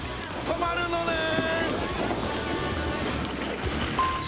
止まるのねん。